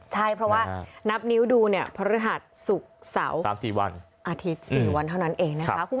ใช่เพราะว่านับนิ้วดูเนี่ยพฤหัสศุกร์เสาร์๓๔วันอาทิตย์๔วันเท่านั้นเองนะคะ